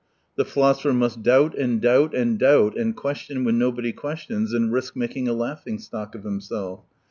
The philosopher must doubt and doubt and doubt, and question when nobody questions, and risk making a laughing stock of himself.